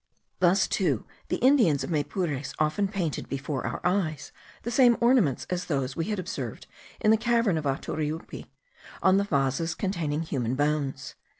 Thus too, the Indians of Maypures often painted before our eyes the same ornaments as those we had observed in the cavern of Ataruipe, on the vases containing human bones.